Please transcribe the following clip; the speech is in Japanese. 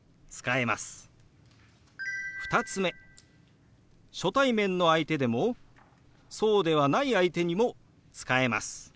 ２つ目初対面の相手でもそうではない相手にも使えます。